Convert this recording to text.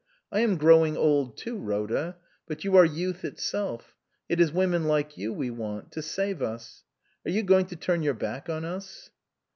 I am growing old too, Rhoda. But you are youth itself. It is women like you we want to save us. Are you going to turn your back on us